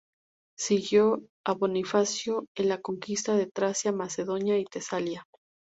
Siguió a Bonifacio en la conquista de Tracia, Macedonia y Tesalia.